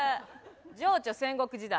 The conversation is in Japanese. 情緒戦国時代。